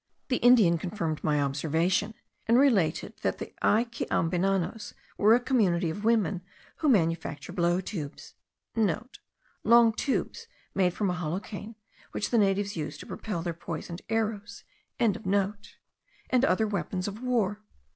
The Indian confirmed my observation, and related that the Aikeambenanos were a community of women, who manufactured blow tubes* (* Long tubes made from a hollow cane, which the natives use to propel their poisoned arrows.), and other weapons of war.